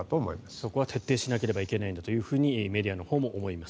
そこは徹底しなければいけないんだとメディアのほうも思います。